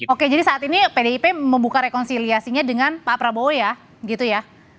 oke jadi saat ini pdip membuka rekonsiliasinya dengan pak prabowo ya gitu ya